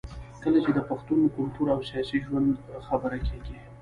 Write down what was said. کله چې د پښتون کلتور او سياسي ژوند خبره کېږي